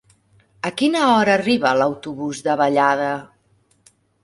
A quina hora arriba l'autobús de Vallada?